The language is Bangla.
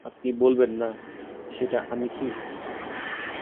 আপনি বলবেন না সেটা আমি কি?